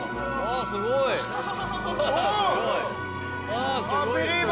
あすごい人だ。